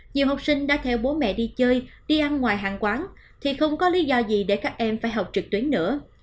nhiều học sinh đã theo bố mẹ đi chơi đi ăn ngoài hàng quán thì không có lý do gì để các em phải học trực tuyến nữa